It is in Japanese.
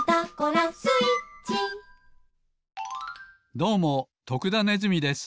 どうも徳田ネズミです。